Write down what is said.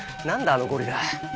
あのゴリラ。